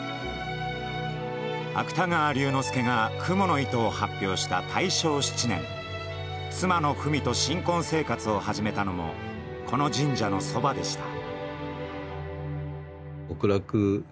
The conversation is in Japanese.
芥川龍之介が「蜘蛛の糸」を発表した大正７年妻の文と新婚生活を始めたのもこの神社のそばでした。